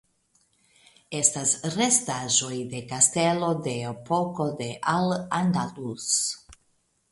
Estas restaĵoj de kastelo de epoko de Al Andalus.